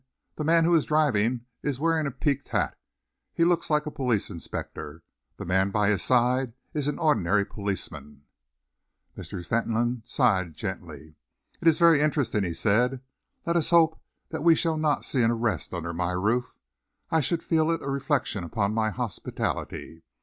"The man who is driving is wearing a peaked hat. He looks like a police inspector. The man by his side is an ordinary policeman." Mr. Fentolin sighed gently. "It is very interesting," he said. "Let us hope that we shall not see an arrest under my roof. I should feel it a reflection upon my hospitality.